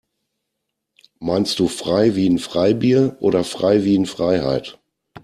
Meinst du frei wie in Freibier oder frei wie in Freiheit?